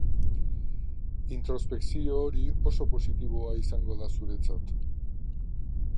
Introspekzio hori oso positiboa izango da zuretzat.